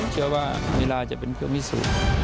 เชื่อว่าเวลาจะเป็นเวลามิสุภาพ